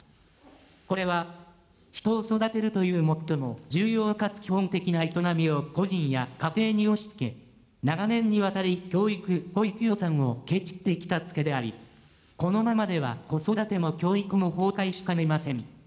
これは人を育てるという最も重要かつ基本的な営みを個人や家庭に押しつけ、長年にわたり教育・保育予算をけちってきたつけであり、このままでは子育ても教育も崩壊しかねません。